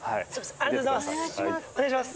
ありがとうございます。